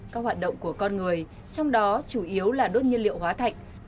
các hoạt động của con người trong đó chủ yếu là đốt nhiên liệu hóa thạch